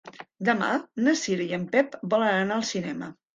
Demà na Cira i en Pep volen anar al cinema.